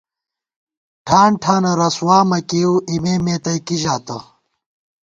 ٹھان ٹھانہ رسوا مہ کېئیؤ ، اِمے مے تئ کِی ژاتہ